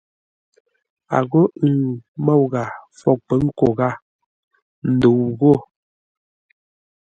A ghô ə̂ŋ môu ghâa fwôghʼ pə̌ nkô ghâa ndəu ghô.